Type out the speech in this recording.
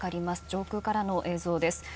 上空からの映像です。